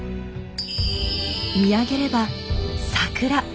見上げれば桜。